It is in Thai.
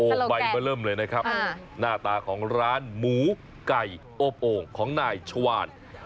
ใบเบอร์เริ่มเลยนะครับหน้าตาของร้านหมูไก่อบโอ่งของนายชวาน